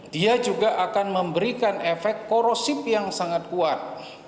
dia juga akan memberikan efek korosif yang sangat kuat